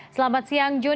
selamat siang jun